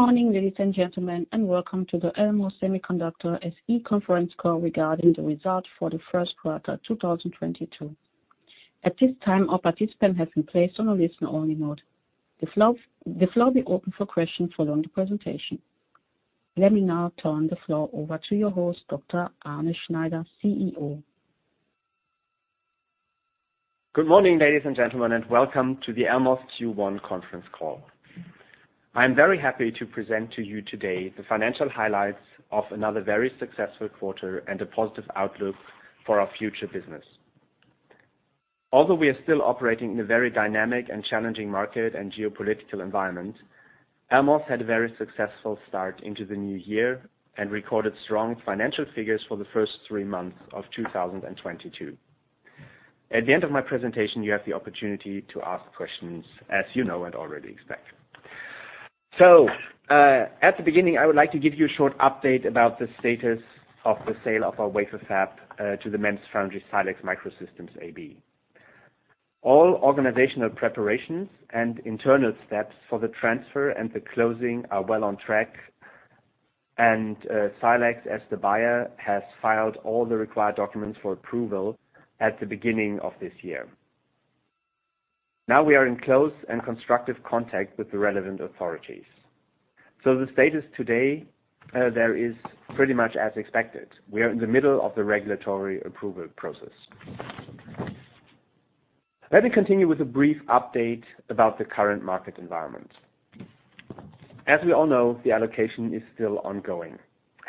Good morning, ladies and gentlemen, and welcome to the Elmos Semiconductor SE conference call regarding the results for the first quarter 2022. At this time, all participants have been placed on a listen-only mode. The floor will be open for questions following the presentation. Let me now turn the floor over to your host, Dr. Arne Schneider, CEO. Good morning, ladies and gentlemen, and welcome to the Elmos Q1 conference call. I'm very happy to present to you today the financial highlights of another very successful quarter and a positive outlook for our future business. Although we are still operating in a very dynamic and challenging market and geopolitical environment, Elmos had a very successful start into the new year and recorded strong financial figures for the first three months of 2022. At the end of my presentation, you have the opportunity to ask questions, as you know and already expect. At the beginning, I would like to give you a short update about the status of the sale of our wafer fab to the MEMS foundry, Silex Microsystems AB. All organizational preparations and internal steps for the transfer and the closing are well on track. Silex, as the buyer, has filed all the required documents for approval at the beginning of this year. Now we are in close and constructive contact with the relevant authorities. The status today, there is pretty much as expected. We are in the middle of the regulatory approval process. Let me continue with a brief update about the current market environment. As we all know, the allocation is still ongoing,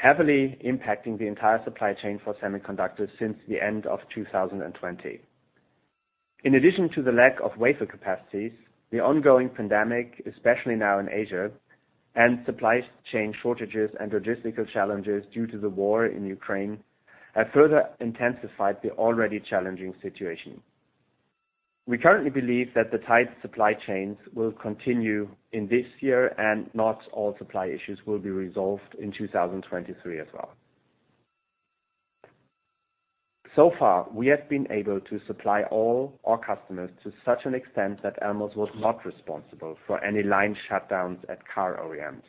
heavily impacting the entire supply chain for semiconductors since the end of 2020. In addition to the lack of wafer capacities, the ongoing pandemic, especially now in Asia, and supply chain shortages and logistical challenges due to the war in Ukraine, have further intensified the already challenging situation. We currently believe that the tight supply chains will continue in this year and not all supply issues will be resolved in 2023 as well. So far, we have been able to supply all our customers to such an extent that Elmos was not responsible for any line shutdowns at car OEMs.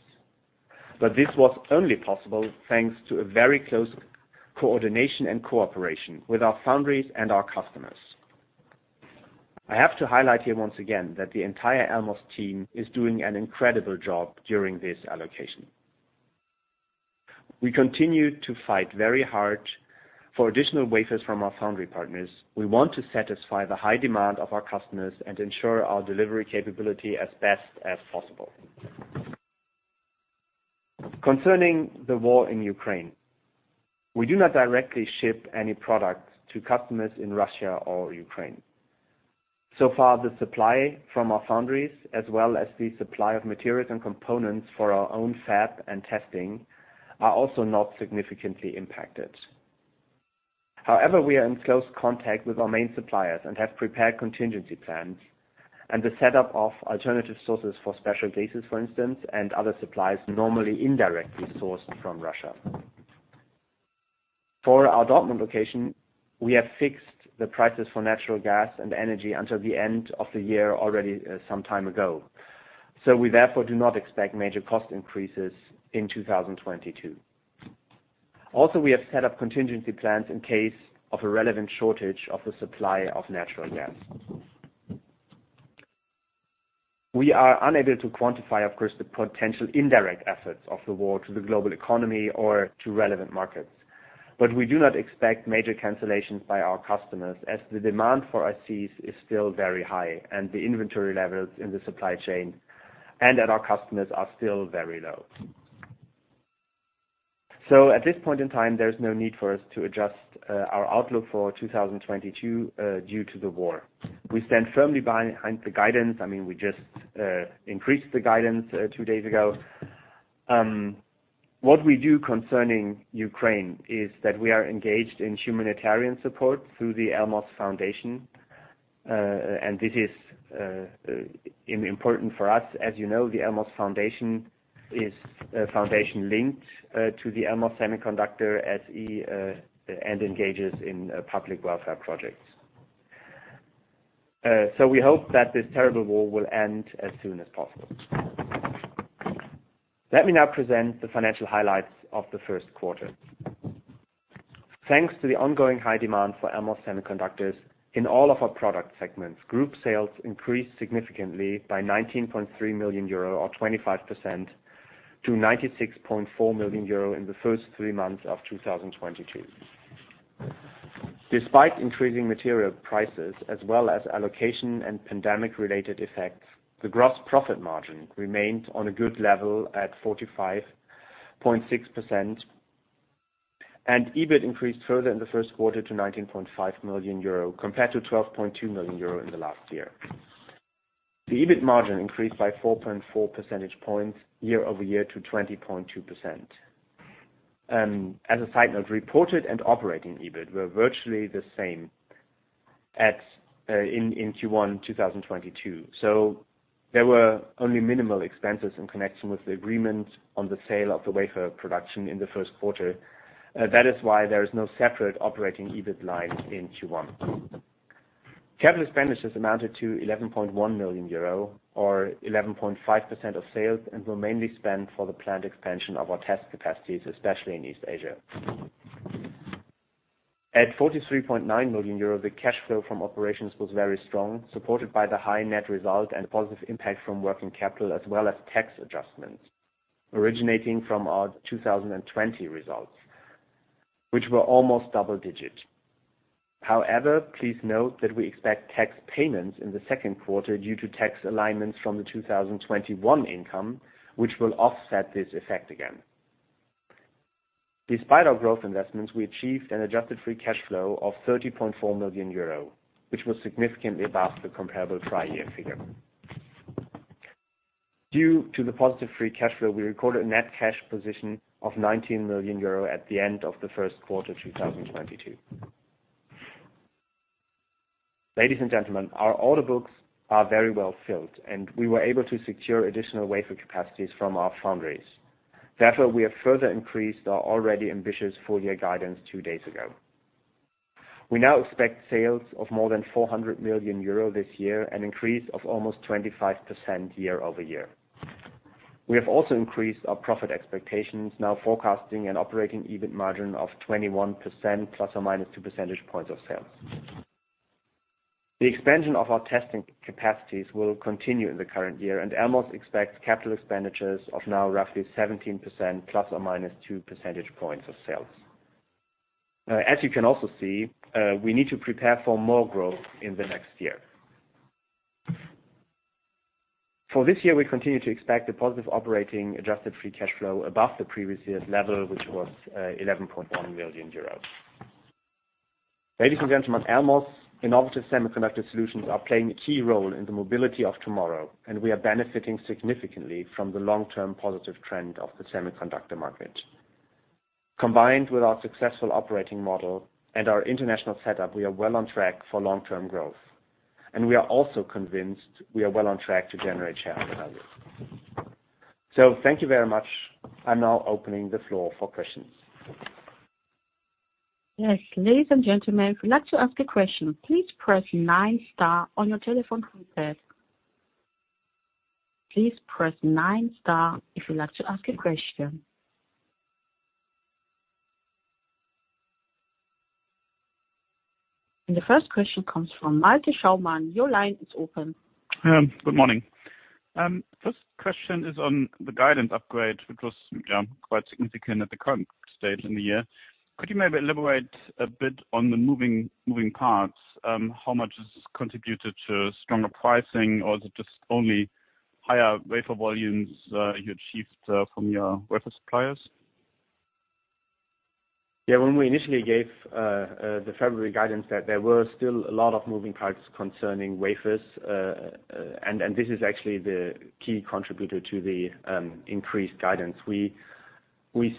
This was only possible thanks to a very close coordination and cooperation with our foundries and our customers. I have to highlight here once again that the entire Elmos team is doing an incredible job during this allocation. We continue to fight very hard for additional wafers from our foundry partners. We want to satisfy the high demand of our customers and ensure our delivery capability as best as possible. Concerning the war in Ukraine, we do not directly ship any product to customers in Russia or Ukraine. So far, the supply from our foundries, as well as the supply of materials and components for our own fab and testing, are also not significantly impacted. However, we are in close contact with our main suppliers and have prepared contingency plans and the setup of alternative sources for special gases, for instance, and other supplies normally indirectly sourced from Russia. For our Dortmund location, we have fixed the prices for natural gas and energy until the end of the year already, some time ago. We therefore do not expect major cost increases in 2022. Also, we have set up contingency plans in case of a relevant shortage of the supply of natural gas. We are unable to quantify, of course, the potential indirect effects of the war to the global economy or to relevant markets. We do not expect major cancellations by our customers as the demand for ICs is still very high, and the inventory levels in the supply chain and at our customers are still very low. At this point in time, there's no need for us to adjust our outlook for 2022 due to the war. We stand firmly behind the guidance. I mean, we just increased the guidance two days ago. What we do concerning Ukraine is that we are engaged in humanitarian support through the Elmos Foundation. This is important for us. As you know, the Elmos Foundation is a foundation linked to the Elmos Semiconductor SE and engages in public welfare projects. We hope that this terrible war will end as soon as possible. Let me now present the financial highlights of the first quarter. Thanks to the ongoing high demand for Elmos semiconductors in all of our product segments, group sales increased significantly by 19.3 million euro or 25% to 96.4 million euro in the first three months of 2022. Despite increasing material prices as well as allocation and pandemic-related effects, the gross profit margin remained on a good level at 45.6%. EBIT increased further in the first quarter to 19.5 million euro, compared to 12.2 million euro in the last year. The EBIT margin increased by 4.4 %points year-over-year to 20.2%. As a side note, reported and operating EBIT were virtually the same at in Q1 2022. There were only minimal expenses in connection with the agreement on the sale of the wafer production in the first quarter. That is why there is no separate operating EBIT line in Q1. Capital expenditures amounted to 11.1 million euro or 11.5% of sales, and were mainly spent for the plant expansion of our test capacities, especially in East Asia. At 43.9 million euro, the cash flow from operations was very strong, supported by the high net result and positive impact from working capital, as well as tax adjustments originating from our 2020 results, which were almost double digit. However, please note that we expect tax payments in the second quarter due to tax alignments from the 2021 income, which will offset this effect again. Despite our growth investments, we achieved an adjusted free cash flow of 30.4 million euro, which was significantly above the comparable prior year figure. Due to the positive free cash flow, we recorded a net cash position of 19 million euro at the end of the first quarter, 2022. Ladies and gentlemen, our order books are very well filled, and we were able to secure additional wafer capacities from our foundries. Therefore, we have further increased our already ambitious full-year guidance two days ago. We now expect sales of more than 400 million euro this year, an increase of almost 25% year-over-year. We have also increased our profit expectations, now forecasting an operating EBIT margin of 21% ±2 percentage points of sales. The expansion of our testing capacities will continue in the current year, and Elmos expects capital expenditures of now roughly 17% ± 2 % points of sales. As you can also see, we need to prepare for more growth in the next year. For this year, we continue to expect a positive operating adjusted free cash flow above the previous year's level, which was 11.1 million euros. Ladies and gentlemen, Elmos innovative semiconductor solutions are playing a key role in the mobility of tomorrow, and we are benefiting significantly from the long-term positive trend of the semiconductor market. Combined with our successful operating model and our international setup, we are well on track for long-term growth, and we are also convinced we are well on track to generate shareholder value. Thank you very much. I'm now opening the floor for questions. Yes. Ladies and gentlemen, if you'd like to ask a question, please press nine star on your telephone keypad. Please press nine star if you'd like to ask a question. The first question comes from Malte Schaumann. Your line is open. Good morning. First question is on the guidance upgrade, which was quite significant at the current state in the year. Could you maybe elaborate a bit on the moving parts? How much has contributed to stronger pricing, or is it just only higher wafer volumes you achieved from your wafer suppliers? Yeah. When we initially gave the February guidance that there were still a lot of moving parts concerning wafers. This is actually the key contributor to the increased guidance. We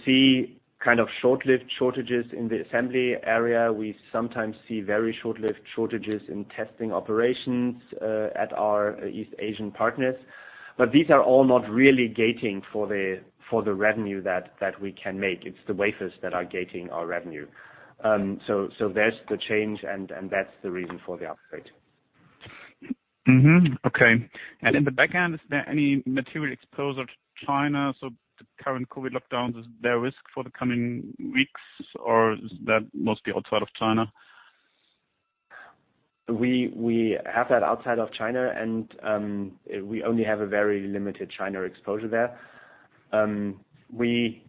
see kind of short-lived shortages in the assembly area. We sometimes see very short-lived shortages in testing operations at our East Asian partners. These are all not really gating for the revenue that we can make. It's the wafers that are gating our revenue. There's the change and that's the reason for the upgrade. Mm-hmm. Okay. In the back end, is there any material exposure to China? The current COVID lockdowns, is there a risk for the coming weeks, or is that mostly outside of China? We have that outside of China, we only have a very limited China exposure there. We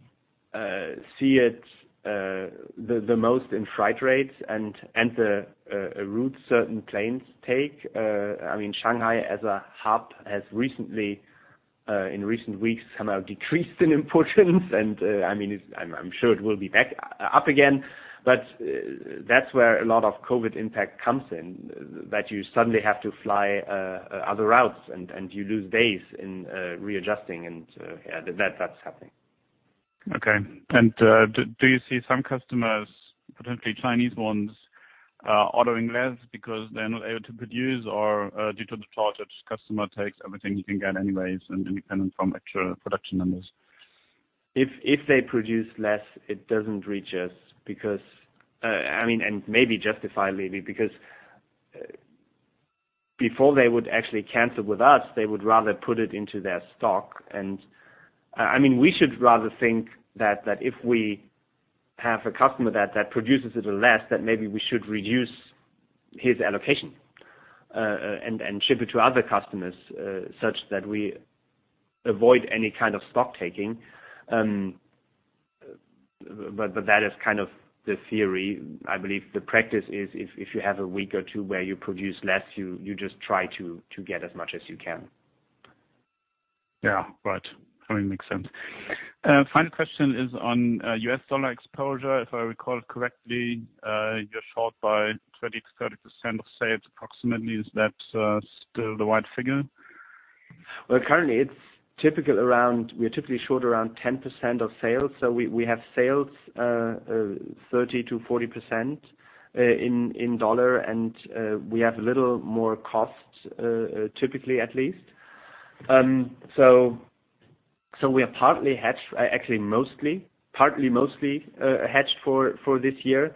see it the most in freight rates and the routes certain planes take. I mean, Shanghai as a hub has recently in recent weeks somehow decreased in importance. I mean, I'm sure it will be back up again, but that's where a lot of COVID impact comes in, that you suddenly have to fly other routes and you lose days in readjusting and yeah, that's happening. Okay. Do you see some customers, potentially Chinese ones, ordering less because they're not able to produce or, due to the shortage, customer takes everything you can get anyways, and independent from actual production numbers? If they produce less, it doesn't reach us because, I mean, and maybe justifiably, because before they would actually cancel with us, they would rather put it into their stock. I mean, we should rather think that if we have a customer that produces a little less, that maybe we should reduce his allocation and ship it to other customers such that we avoid any kind of stock taking. That is kind of the theory. I believe the practice is if you have a week or two where you produce less, you just try to get as much as you can. Yeah. Right. I mean, makes sense. Final question is on US dollar exposure. If I recall correctly, you're short by 20%-30% of sales approximately. Is that still the right figure? Well, currently it's typical. We're typically short around 10% of sales. We have sales 30%-40% in dollar. We have a little more cost, typically at least. We are partly hedged, actually mostly hedged for this year.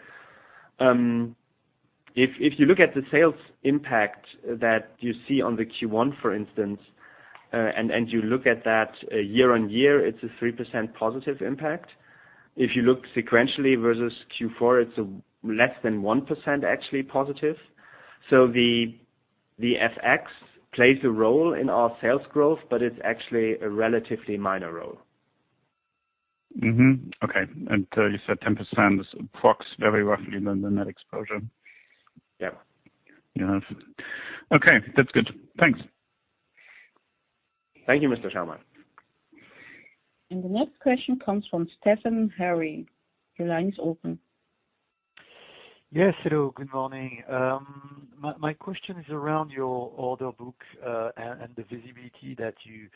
If you look at the sales impact that you see on the Q1, for instance, and you look at that year-on-year, it's a +3% impact. If you look sequentially versus Q4, it's less than 1% actually positive. The FX plays a role in our sales growth, but it's actually a relatively minor role. Okay. You said 10% is approx, very roughly the net exposure. Yeah. Okay, that's good. Thanks. Thank you, Mr. Schaumann. The next question comes from Stephan Bauer. Your line is open. Yes. Hello, good morning. My question is around your order book, and the visibility that you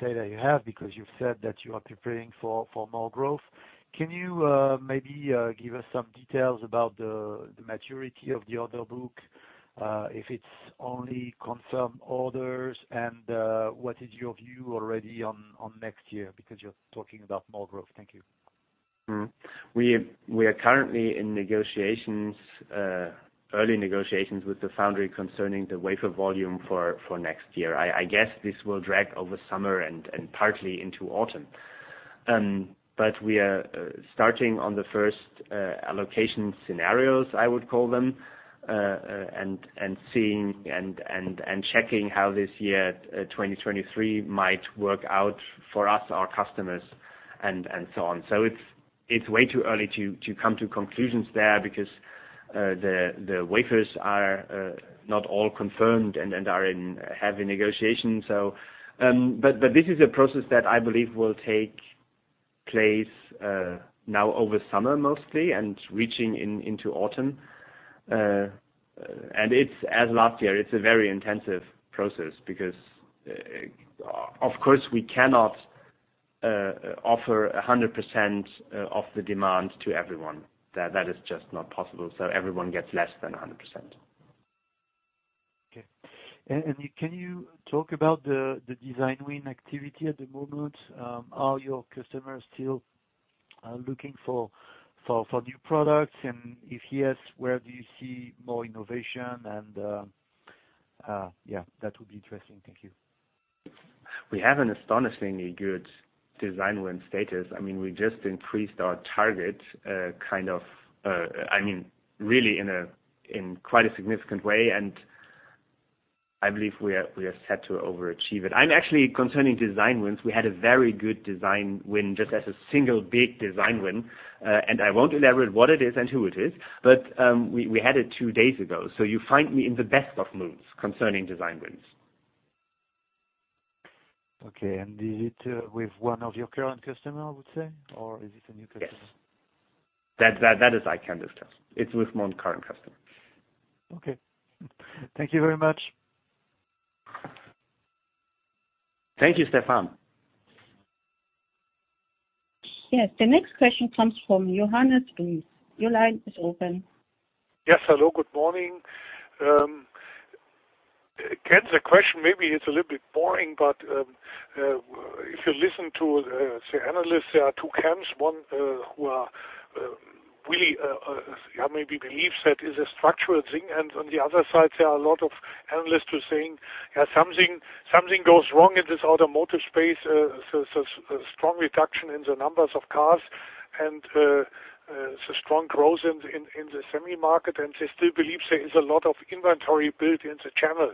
say that you have, because you've said that you are preparing for more growth. Can you maybe give us some details about the maturity of the order book, if it's only confirmed orders, and what is your view already on next year? Because you're talking about more growth. Thank you. We are currently in negotiations, early negotiations with the foundry concerning the wafer volume for next year. I guess this will drag over summer and partly into autumn. We are starting on the first allocation scenarios, I would call them, and checking how this year, 2023 might work out for us, our customers, and so on. It's way too early to come to conclusions there because the wafers are not all confirmed and are in heavy negotiation. This is a process that I believe will take place now over summer mostly, and reaching into autumn. As last year, it's a very intensive process because of course, we cannot offer 100% of the demand to everyone. That is just not possible, so everyone gets less than 100%. Okay. Can you talk about the design win activity at the moment? Are your customers still looking for new products? And if yes, where do you see more innovation and yeah, that would be interesting. Thank you. We have an astonishingly good design win status. I mean, we just increased our target, kind of, I mean, really in quite a significant way. I believe we are set to overachieve it. I'm actually concerning design wins, we had a very good design win, just as a single big design win, and I won't elaborate what it is and who it is, but we had it two days ago, so you find me in the best of moods concerning design wins. Okay. Is it with one of your current customer, I would say? Or is it a new customer? Yes. That is, I can discuss. It's with one current customer. Okay. Thank you very much. Thank you, Stephan. Yes. The next question comes from Johannes Ries. Your line is open. Yes. Hello, good morning. Arne, the question maybe is a little bit boring, but if you listen to, say, analysts, there are two camps, one who are really maybe believe that is a structural thing. On the other side, there are a lot of analysts who are saying something goes wrong in this automotive space, so strong reduction in the numbers of cars and the strong growth in the semi market, and they still believe there is a lot of inventory built in the channel.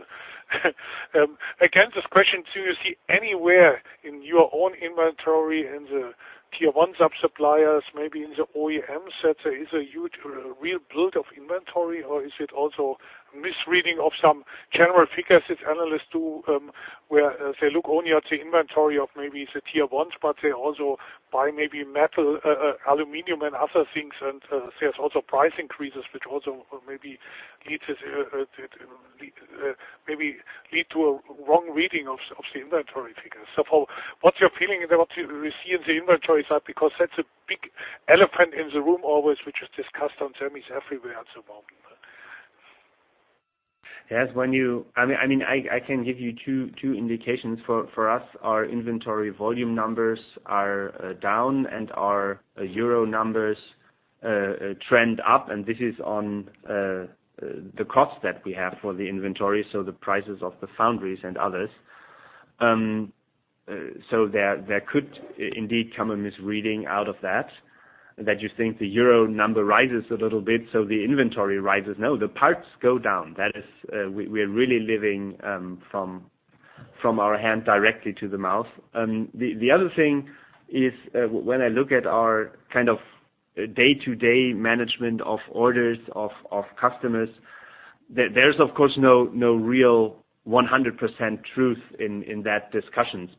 Again, this question, do you see anywhere in your own inventory, in the tier one suppliers, maybe in the OEMs, there is a huge real build of inventory, or is it also a misreading of some general figures as analysts do, where they look only at the inventory of maybe the tier ones, but they also buy maybe metal, aluminum and other things. There's also price increases, which also maybe lead to a wrong reading of the inventory figures. Paul, what's your feeling about what you receive the inventory side? Because that's a big elephant in the room always, which is discussed on terms everywhere at the moment. Yes. I mean, I can give you two indications. For us, our inventory volume numbers are down and our euro numbers trend up, and this is on the cost that we have for the inventory, so the prices of the foundries and others. So there could indeed come a misreading out of that that you think the euro number rises a little bit, so the inventory rises. No, the parts go down. That is, we are really living from our hand directly to the mouth. The other thing is, when I look at our kind of day-to-day management of orders of customers, there's of course no real 100% truth in that discussions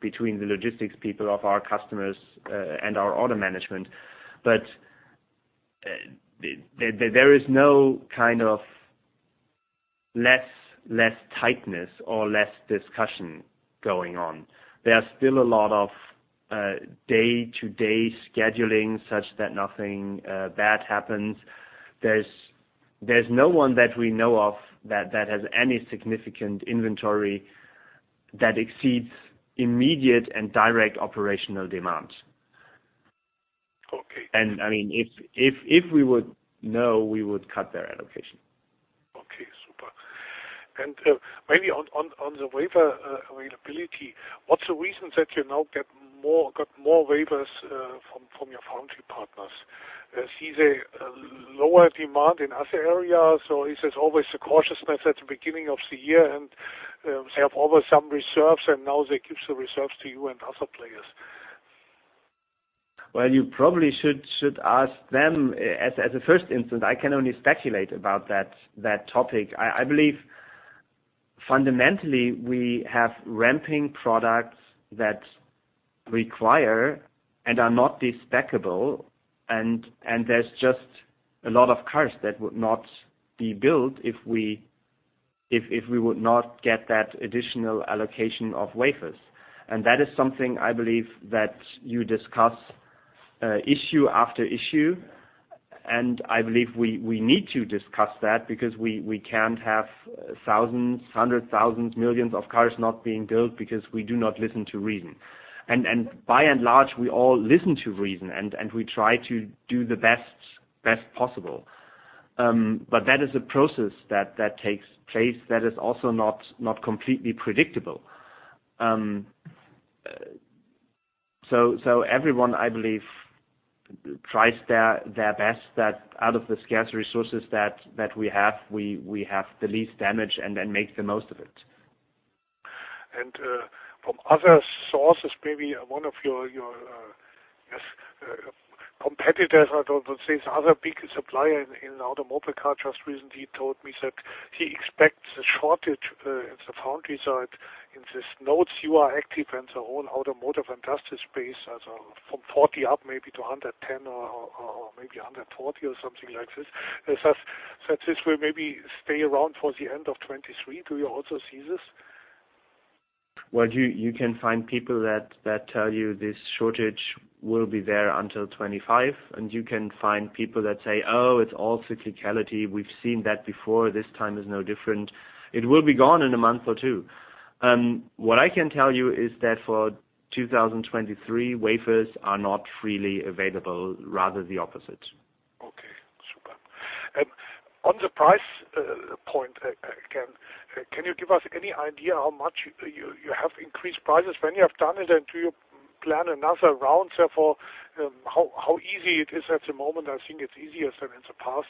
between the logistics people of our customers and our order management. There is no kind of less tightness or less discussion going on. There are still a lot of day-to-day scheduling such that nothing bad happens. There's no one that we know of that has any significant inventory that exceeds immediate and direct operational demands. Okay. I mean, if we would know, we would cut their allocation. Okay, super. Maybe on the wafer availability, what's the reason that you now got more wafers from your foundry partners? Is either a lower demand in other areas, or is this always a cautious method at the beginning of the year, and they have over some reserves and now they give the reserves to you and other players? Well, you probably should ask them as a first instance. I can only speculate about that topic. I believe fundamentally, we have ramping products that require and are not de-stackable. There's just a lot of cars that would not be built if we would not get that additional allocation of wafers. That is something I believe that you discuss issue after issue. I believe we need to discuss that because we can't have thousands, hundreds of thousands, millions of cars not being built because we do not listen to reason. By and large, we all listen to reason, and we try to do the best possible. That is a process that takes place that is also not completely predictable. Everyone, I believe, tries their best that out of the scarce resources that we have, we have the least damage and then make the most of it. From other sources, maybe one of your competitors, I don't want to say this, other big supplier in automobile car, just recently told me said he expects a shortage in the foundry side. In the notes, you are active in the whole automotive and just this space as from 40 up maybe to 110 or maybe 140 or something like this. As I've said, this will maybe stay around for the end of 2023. Do you also see this? Well, you can find people that tell you this shortage will be there until 25, and you can find people that say, "Oh, it's all cyclicality. We've seen that before. This time is no different. It will be gone in a month or two." What I can tell you is that for 2023, wafers are not freely available, rather the opposite. Okay, super. On the price point, again, can you give us any idea how much you have increased prices when you have done it? Do you plan another round therefore, how easy it is at the moment? I think it's easier than in the past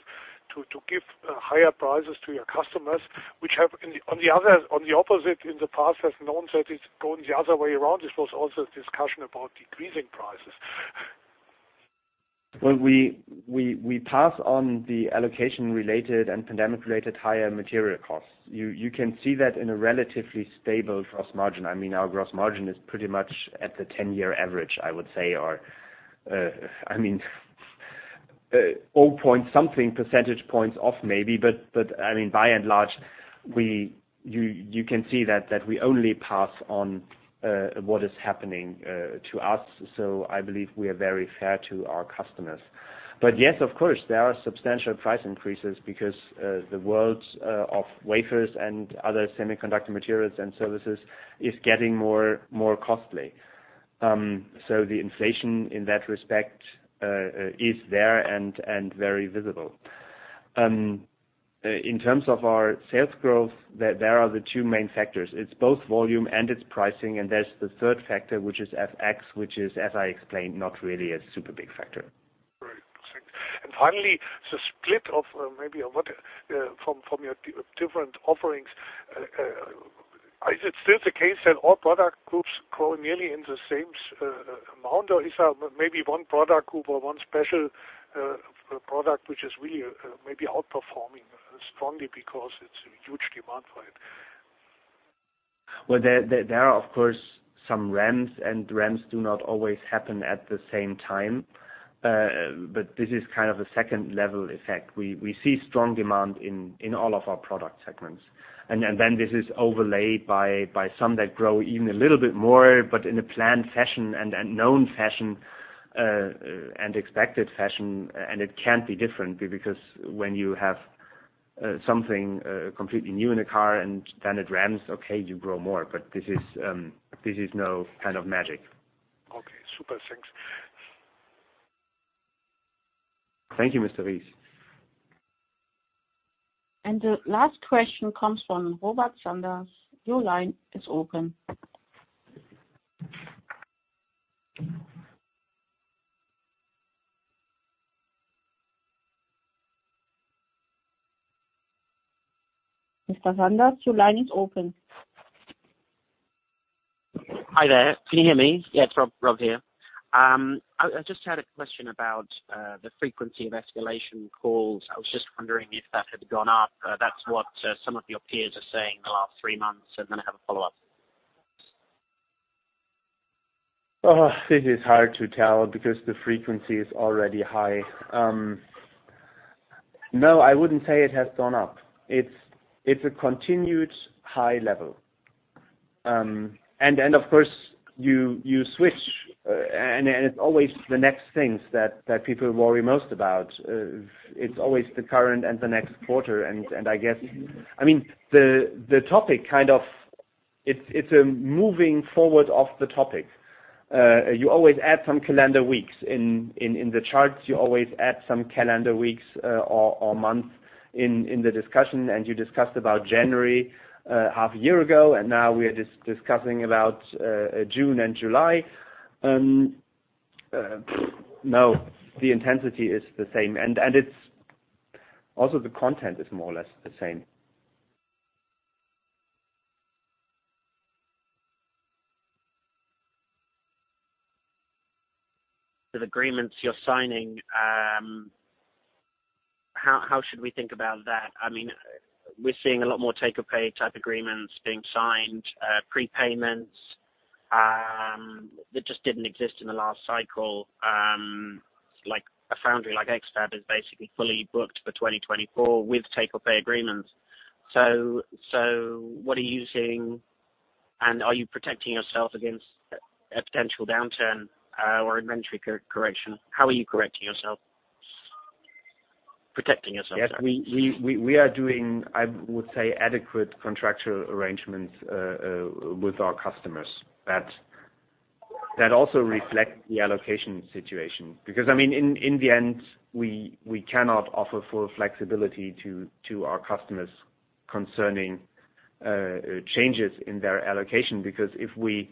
to give higher prices to your customers. On the other hand in the past, as known that it's going the other way around. This was also a discussion about decreasing prices. Well, we pass on the allocation-related and pandemic-related higher material costs. You can see that in a relatively stable gross margin. I mean, our gross margin is pretty much at the 10-year average, I would say. I mean, 0.something percentage points off maybe. I mean, by and large, you can see that we only pass on what is happening to us. I believe we are very fair to our customers. Yes, of course, there are substantial price increases because the worlds of wafers and other semiconductor materials and services is getting more costly. The inflation in that respect is there and very visible. In terms of our sales growth, there are the two main factors. It's both volume and it's pricing, and there's the third factor, which is FX, which is, as I explained, not really a super big factor. Right. Thanks. Finally, the split of maybe what from your different offerings. Is it still the case that all product groups grow nearly in the same amount, or is there maybe one product group or one special product which is really maybe outperforming strongly because it's a huge demand for it? Well, there are, of course, some ramps, and ramps do not always happen at the same time. This is kind of a second-level effect. We see strong demand in all of our product segments. This is overlaid by some that grow even a little bit more, but in a planned fashion and a known fashion, and expected fashion. It can't be different because when you have something completely new in a car and then it ramps, okay, you grow more. This is no kind of magic. Okay, super. Thanks. Thank you, Mr. Ries. The last question comes from Robert Sprogies. Your line is open. Mr. Sprogies, your line is open. Hi there. Can you hear me? Yeah, it's Rob here. I just had a question about the frequency of escalation calls. I was just wondering if that had gone up. That's what some of your peers are saying the last three months. I have a follow-up. Oh, it is hard to tell because the frequency is already high. No, I wouldn't say it has gone up. It's a continued high level. Then of course you switch, and it's always the next things that people worry most about. It's always the current and the next quarter. I guess—I mean, the topic kind of, it's a moving forward of the topic. You always add some calendar weeks. In the charts, you always add some calendar weeks or months in the discussion, and you discussed about January half a year ago, and now we are discussing about June and July. No, the intensity is the same. It's also the content is more or less the same. The agreements you're signing, how should we think about that? I mean, we're seeing a lot more take-or-pay type agreements being signed, prepayments, that just didn't exist in the last cycle. Like a foundry, like X-FAB is basically fully booked for 2024 with take-or-pay agreements. What are you seeing? And are you protecting yourself against a potential downturn, or inventory correction? How are you protecting yourself? Yes, we are doing, I would say, adequate contractual arrangements with our customers that also reflect the allocation situation. Because, I mean, in the end, we cannot offer full flexibility to our customers concerning changes in their allocation. Because if we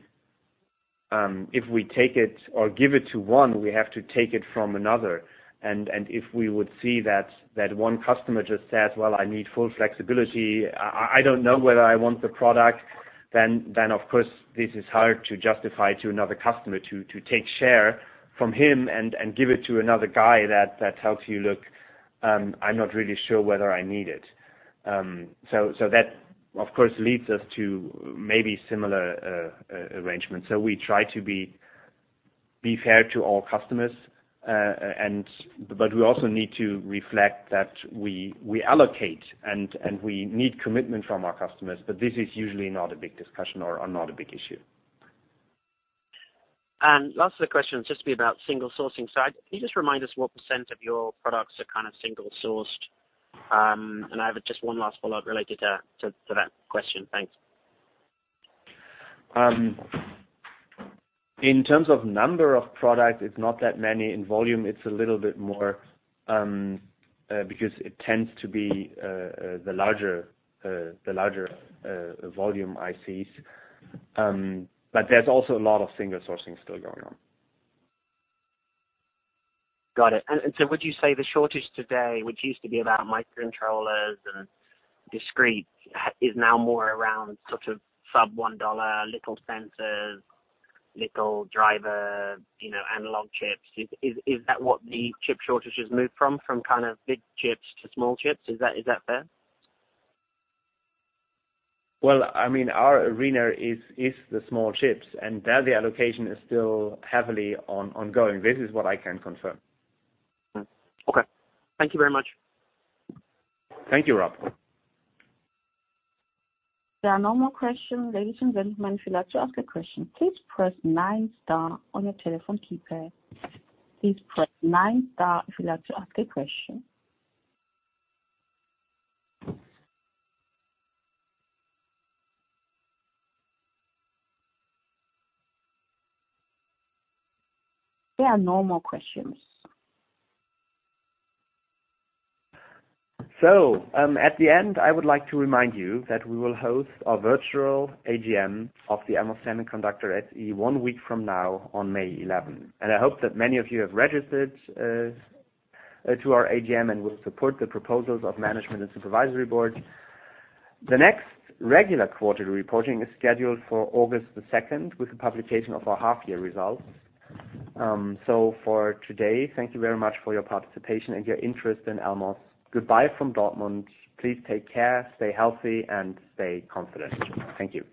take it or give it to one, we have to take it from another. If we would see that one customer just says, "Well, I need full flexibility. I don't know whether I want the product," then of course, this is hard to justify to another customer to take share from him and give it to another guy that tells you, "Look, I'm not really sure whether I need it." That of course leads us to maybe similar arrangement. We try to be fair to all customers. But we also need to reflect that we allocate and we need commitment from our customers, but this is usually not a big discussion or not a big issue. The last of the questions is just about single sourcing. Can you just remind us what % of your products are kind of single-sourced? I have just one last follow-up related to that question. Thanks. In terms of number of products, it's not that many. In volume, it's a little bit more, because it tends to be the larger volume ICs. But there's also a lot of single sourcing still going on. Got it. Would you say the shortage today, which used to be about microcontrollers and discrete, is now more around sort of sub one dollar, little sensors, little driver, you know, analog chips? Is that what the chip shortage has moved from? From kind of big chips to small chips? Is that fair? Well, I mean, our area is the small chips, and there the allocation is still heavily ongoing. This is what I can confirm. Okay. Thank you very much. Thank you, Rob. There are no more questions. Ladies and gentlemen, if you'd like to ask a question, please press nine star on your telephone keypad. Please press nine star if you'd like to ask a question. There are no more questions. At the end, I would like to remind you that we will host our virtual AGM of the Elmos Semiconductor SE one week from now on May 11. I hope that many of you have registered to our AGM and will support the proposals of management and supervisory board. The next regular quarterly reporting is scheduled for August 2, with the publication of our half-year results. For today, thank you very much for your participation and your interest in Elmos. Goodbye from Dortmund. Please take care, stay healthy, and stay confident. Thank you.